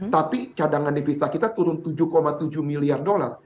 tapi cadangan devisa kita turun tujuh tujuh miliar dolar